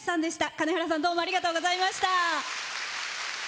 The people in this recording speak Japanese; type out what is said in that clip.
金原さんどうもありがとうございました。